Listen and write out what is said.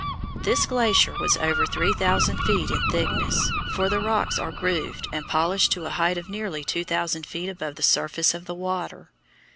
This glacier was over three thousand feet in thickness, for the rocks are grooved and polished to a height of nearly two thousand feet above the surface of the water.